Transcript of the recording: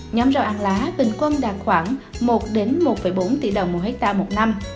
nhóm rau ăn lá bình quân đạt khoảng một một bốn tỷ đồng một hectare một năm